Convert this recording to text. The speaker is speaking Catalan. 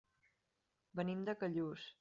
Venim de Callús.